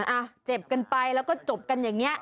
อ่ะเจ็บกันไปแล้วก็จบกันอย่างนี้